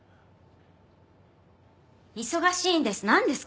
忙しいんです。